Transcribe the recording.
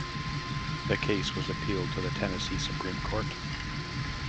The case was appealed to the Tennessee Supreme Court.